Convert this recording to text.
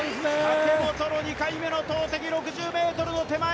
武本の２回目の投てき、６０ｍの手前。